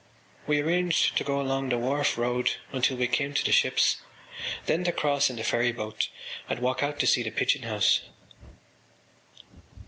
We arranged to go along the Wharf Road until we came to the ships, then to cross in the ferryboat and walk out to see the Pigeon House.